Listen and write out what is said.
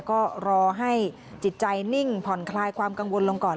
ก็รอให้จิตใจนิ่งผ่อนคลายความกังวลลงก่อน